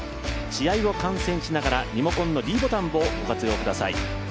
試合を観戦しながらリモコンのｄボタンをご活用ください。